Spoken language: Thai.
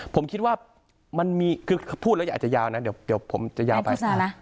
ผมคิดว่ามันมีคือพูดแล้วอาจจะยาวนะเดี๋ยวผมจะยาวไป